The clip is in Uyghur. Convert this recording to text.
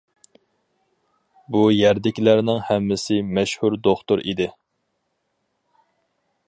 بۇ يەردىكىلەرنىڭ ھەممىسى مەشھۇر دوختۇر ئىدى.